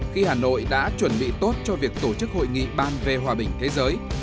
khi hà nội đã chuẩn bị tốt cho việc tổ chức hội nghị ban về hòa bình thế giới